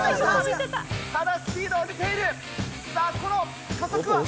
ただスピードは出ている。